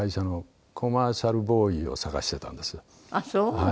はい。